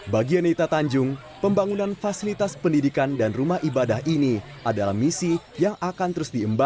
bagi anita tanjung pembangunan fasilitas pendidikan dan rumah ibadah ini adalah misi yang akan terus diemban